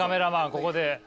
ここで。